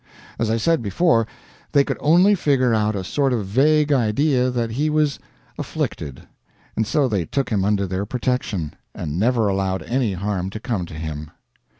As I said before, they could only figure out a sort of vague idea that he was "afflicted," and so they took him under their protection, and never allowed any harm to come to him.